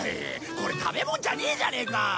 これ食べ物じゃねえじゃねえか。